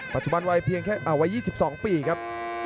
ปัจจุบันวัย๒๒ปีครับ